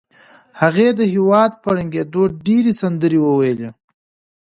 هغې د هېواد په ړنګېدو ډېرې سندرې وویلې